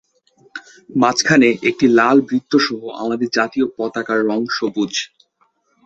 মাঝখানে একটি লাল বৃত্তসহ আমাদের জাতীয় পতাকার রং সবুজ।